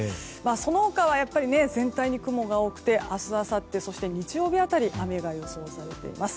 その他は、全体的に雲が多くて明日あさって、そして日曜日辺りに雨が予想されています。